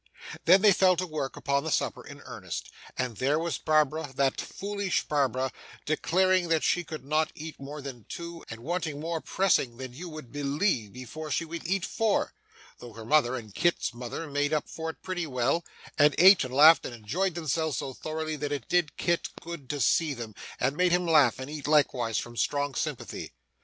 Then they fell to work upon the supper in earnest; and there was Barbara, that foolish Barbara, declaring that she could not eat more than two, and wanting more pressing than you would believe before she would eat four: though her mother and Kit's mother made up for it pretty well, and ate and laughed and enjoyed themselves so thoroughly that it did Kit good to see them, and made him laugh and eat likewise from strong sympathy.